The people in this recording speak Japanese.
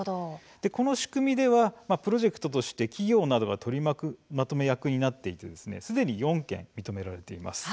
この仕組みではプロジェクトとして、企業などが取りまとめ役になっていてすでに４件が認められています。